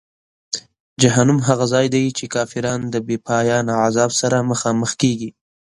جهنم هغه ځای دی چې کافران د بېپایانه عذاب سره مخامخ کیږي.